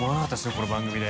この番組で。